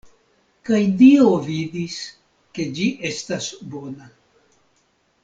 Kaj Dio vidis, ke ĝi estas bona.